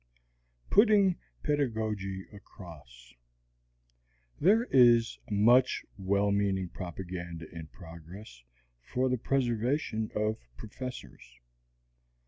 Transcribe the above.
PUTTING PEDAGOGY ACROSS There is much well meaning propaganda in progress for the preservation of professors.